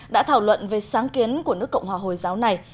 đã thảo luận về sáng kiến của nước cộng hòa hồi giáo này